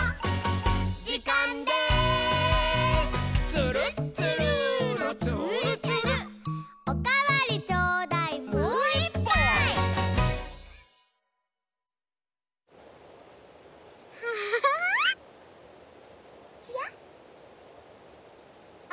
「つるっつるーのつーるつる」「おかわりちょうだい」「もういっぱい！」ちらっ。